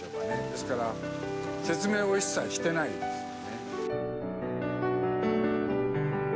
ですから説明を一切してないですよね。